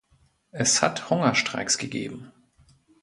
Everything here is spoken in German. Es hat Hungerstreiks gegeben.